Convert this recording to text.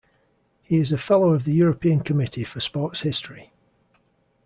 He is a Fellow of the European committee for sports history.